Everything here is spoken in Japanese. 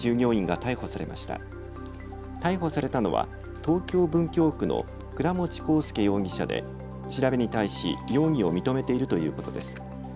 逮捕されたのは東京文京区の倉持航輔容疑者で調べに対し容疑を認めているということです。